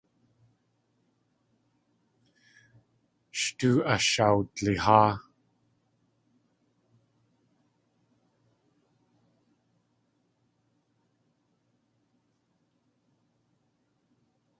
Sh tóo ashawdliháa.